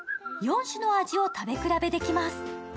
４種の味を食べ比べできます。